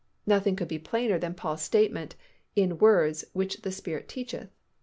Nothing could be plainer than Paul's statement "in words which the Spirit teacheth."